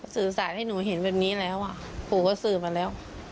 สื่อสารให้หนูเห็นแบบนี้แล้วปู่ก็สื่อมาแล้ว